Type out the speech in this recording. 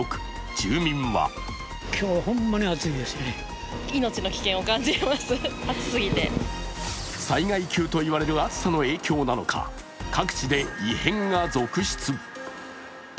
住民は災害級といわれる暑さの影響なのか、各地で異変が続出。